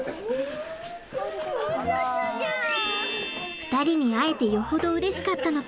２人に会えてよほどうれしかったのか。